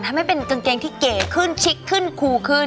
ให้เป็นกางเกงที่เก๋ขึ้นชิกขึ้นคูขึ้น